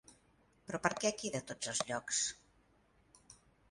Però, per què aquí, de tots els llocs?